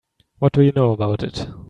What do you know about it?